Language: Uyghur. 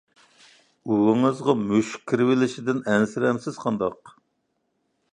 ئۇۋىڭىزغا مۈشۈك كىرىۋېلىشتىن ئەنسىرەمسىز قانداق؟